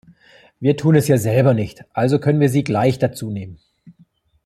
Wir tun es ja selber nicht, also können wir sie gleich dazunehmen.